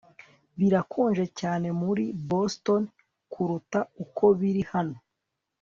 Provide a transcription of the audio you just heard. Birakonje cyane muri Boston kuruta uko biri hano